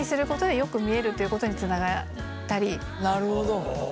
なるほど。